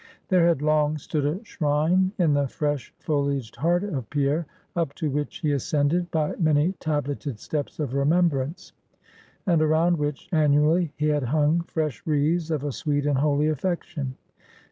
There had long stood a shrine in the fresh foliaged heart of Pierre, up to which he ascended by many tableted steps of remembrance; and around which annually he had hung fresh wreaths of a sweet and holy affection.